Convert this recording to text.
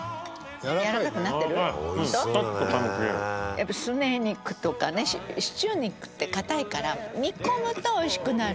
やっぱすね肉とかねシチュー肉って硬いから煮込むと美味しくなる。